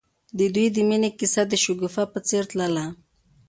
د دوی د مینې کیسه د شګوفه په څېر تلله.